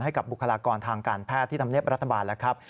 ให้กับบุคลากรทางการแพทย์ที่ทำเน็ตประรัฐบาลแล้วครับ